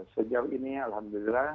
sejauh ini alhamdulillah